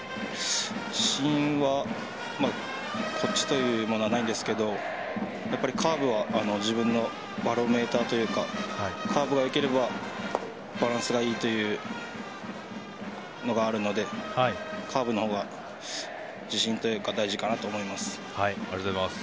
自信はこっちというものはないんですけどカーブは自分のバロメーターというかカーブが良ければバランスがいいというのがあるのでカーブのほうが自信というか大事かなと思います。